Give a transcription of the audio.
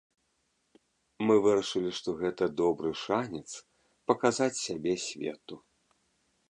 Мы вырашылі, што гэта добры шанец паказаць сябе свету.